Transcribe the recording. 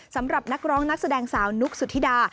สำหรับนักร้องนักแสดงสาวนุกสุธิดา